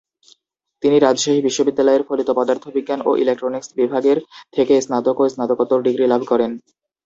তিনি রাজশাহী বিশ্ববিদ্যালয়ের ফলিত পদার্থবিজ্ঞান ও ইলেকট্রনিক্স বিভাগের থেকে স্নাতক ও স্নাতকোত্তর ডিগ্রি লাভ করেন।